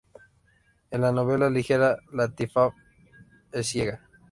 En la novela ligera, Latifah es ciega.